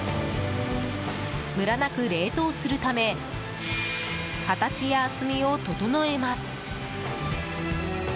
むらなく冷凍するため形や厚みを整えます。